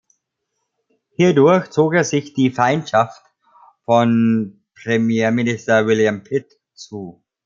Hierdurch zog er sich die Feindschaft von Premierminister William Pitt zu.